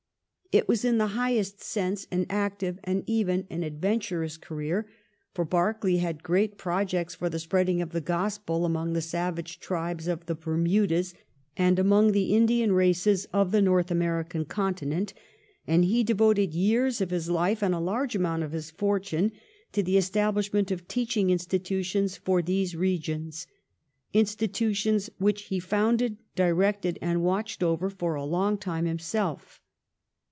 It was in the highest sense an active and even an adventurous career, for Berkeley had great projects for the spreading of the Gospel among the savage tribes of the Bermudas and among the Indian races of the North American continent, and he devoted years of his life, and a large amount of his fortune, to the estabhshment of teaching institutions for these regions — institutions which he founded, directed, and watched over for a long time himself.